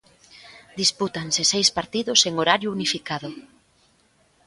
Dispútanse seis partidos en horario unificado.